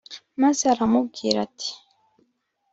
Maze aramubwira ati